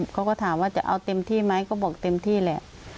เขาก็ถามว่าจะเอาเต็มที่ไหมก็บอกเต็มที่แหละ